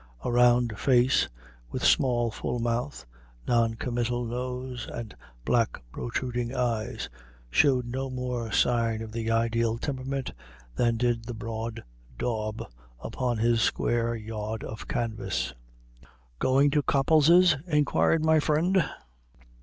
A round face, with small, full mouth, non committal nose, and black, protruding eyes, showed no more sign of the ideal temperament than did the broad daub upon his square yard of canvas. "Going to Copples's?" inquired my friend.